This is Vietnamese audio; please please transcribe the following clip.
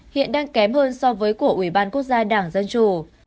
hiện đang kém hơn so với cổ ủy ban quốc gia đảng dân chủ